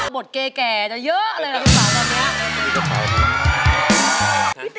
บทเก่จะเยอะเลยละครับนี้